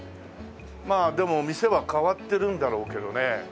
まあでも店は変わってるんだろうけどね。